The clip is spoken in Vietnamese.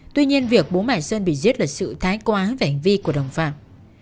tuy nhiên việc bố mải sơn bị giết là sự thái quá về hành vi của đồng phạm